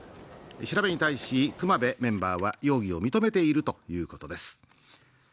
調べに対し隈部メンバーは容疑を認めているということです